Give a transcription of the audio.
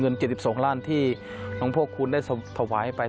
เงิน๗๒ล้านที่ทนทศพระองค์ได้สะบาลให้ไป